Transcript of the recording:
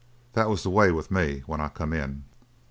That was the way with me when I come in."